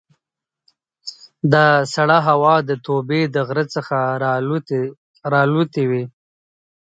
دا سړه هوا د توبې د غره څخه را الوتې وي.